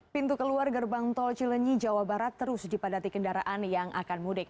pintu keluar gerbang tol cilenyi jawa barat terus dipadati kendaraan yang akan mudik